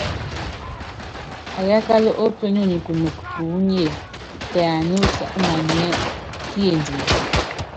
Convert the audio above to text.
Ayábál ópíónyonyi kunɔk tuúnye tɛ aná umanyɛ́ kiendine.